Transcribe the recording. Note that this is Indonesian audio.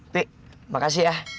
fi makasih ya